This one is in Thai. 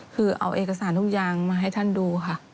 คือเอาเอกสารทุกอย่างมาให้ท่านดูค่ะ